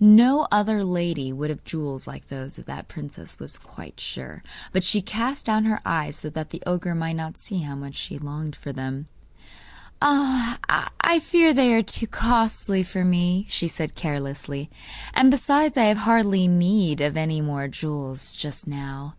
No other lady would have jewels like those of that the princess was quite sure; but she cast down her eyes so that the ogre might not see how much she longed for them. 'I fear they are too costly for me,' she said carelessly; 'and besides, I have hardly need of any more jewels just now.